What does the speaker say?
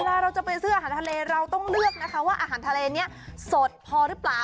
เวลาเราจะไปซื้ออาหารทะเลเราต้องเลือกนะคะว่าอาหารทะเลนี้สดพอหรือเปล่า